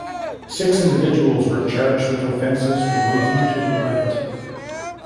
Six individuals were charged with offences relating to the riot.